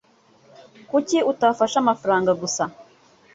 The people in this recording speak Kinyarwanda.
Kuki utafashe amafaranga gusa